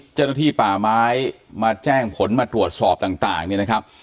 เจ้าหน้าที่ป่าไม้มาแจ้งผลมาตรวจสอบต่างเนี่ยนะครับ